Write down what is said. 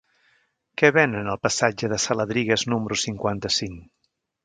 Què venen al passatge de Saladrigas número cinquanta-cinc?